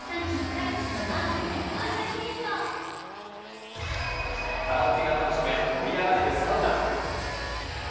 カルピスのマークでねカラオケが楽しめ、盛り上がれるサウナ。